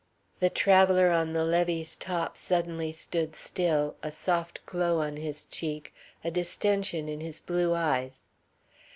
The traveller on the levee's top suddenly stood still, a soft glow on his cheek, a distension in his blue eyes.